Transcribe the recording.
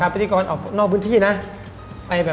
ครับพิธีกรนอกพื้นที่นะ